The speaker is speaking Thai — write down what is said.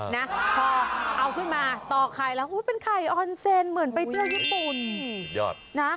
พอเอาขึ้นมาต่อไข่แล้วเป็นไข่ออนเซนเหมือนไปเตื้อญี่ปุ่น